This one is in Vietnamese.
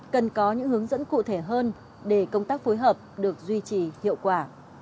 cần có những hướng dẫn cụ thể hơn để công tác phối hợp được duy trì hiệu quả